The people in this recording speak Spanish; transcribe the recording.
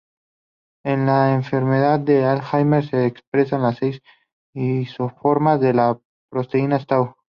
En la enfermedad de Alzheimer se expresan las seis isoformas de las proteínas tau.